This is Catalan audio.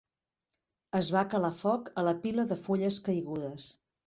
Es va calar foc a la pila de fulles caigudes.